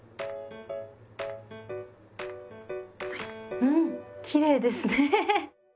うんきれいですね。